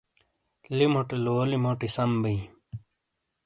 لِیموٹے لولی موٹی سَم بیں۔